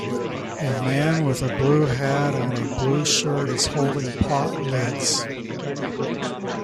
A man with a blue hat and a blue shirt is holding pot lids.